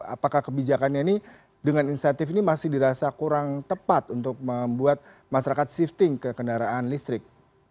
apakah kebijakannya ini dengan insentif ini masih dirasa kurang tepat untuk membuat masyarakat shifting ke kendaraan listrik